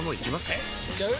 えいっちゃう？